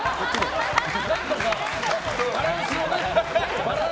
何とかバランスをね。